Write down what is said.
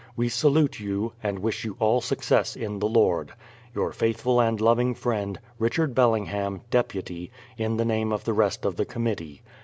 We salute you, and wish you all success in the Lord. Your faithful and loving friend, RICHARD BELLINGHAM, Deputy, In the name of the rest of the Committee.